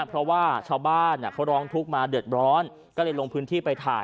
เพราะว่าชาวบ้านเขาร้องทุกข์มาเดือดร้อนก็เลยลงพื้นที่ไปถ่าย